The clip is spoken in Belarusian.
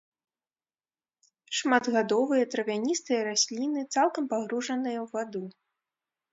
Шматгадовыя травяністыя расліны, цалкам пагружаныя ў ваду.